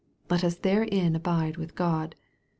Let us therein abide with God.